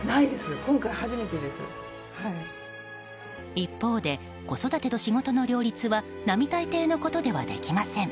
一方で、子育てと仕事の両立は並大抵のことではできません。